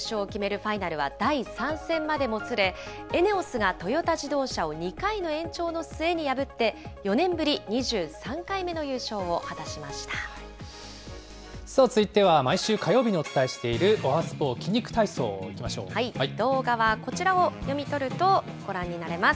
ファイナルは第３戦までもつれ、ＥＮＥＯＳがトヨタ自動車を２回の延長の末に破って、４年ぶり２続いては毎週火曜日にお伝えしている、おはＳＰＯ筋肉体操、動画はこちらを読み取るとご覧になれます。